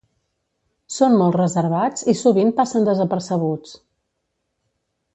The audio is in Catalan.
Són molt reservats i sovint passen desapercebuts.